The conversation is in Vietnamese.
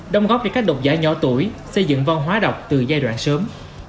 đồng góp cho các độc giả nhỏ tuổi xây dựng văn hóa đọc từ giai đoạn sớm